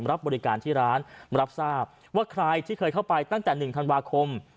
รับบริการที่ร้านรับทราบว่าใครที่เคยเข้าไปตั้งแต่๑ธันวาคม